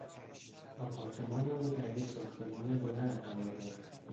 آپارتمان او در یک ساختمان بلند قرار دارد.